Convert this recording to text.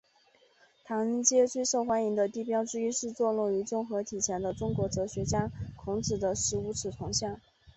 唐人街最受欢迎的地标之一是坐落于综合体前的中国哲学家孔子的十五尺铜像。